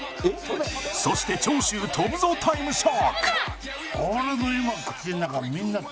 そして「長州飛ぶぞタイムショック」